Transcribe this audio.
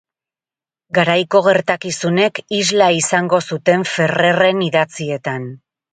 Garaiko gertakizunek isla izango zuten Ferrerren idatzietan.